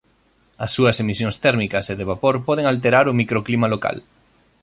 As súas emisións térmicas e de vapor poden alterar o microclima local.